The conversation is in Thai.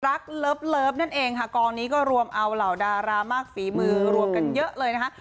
เลิฟนั่นเองค่ะกองนี้ก็รวมเอาเหล่าดารามากฝีมือรวมกันเยอะเลยนะคะ